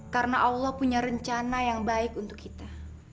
karena allah punya rencana yang baik untuk kita